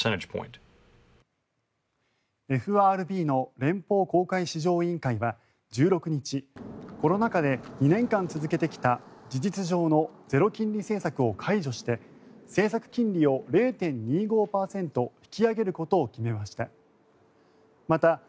ＦＲＢの連邦公開市場委員会は１６日コロナ禍で２年間続けてきた事実上のゼロ金利政策を解除して政策金利を０．２５％引き上げることを決めました。